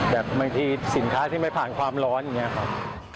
แบบบางทีสินค้าที่ไม่ผ่านความร้อนอย่างนี้ครับ